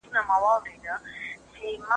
حکومت به ټولې اړينې پروژې پلي کړې وي.